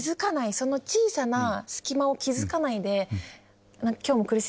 その小さな隙間を気付かないで。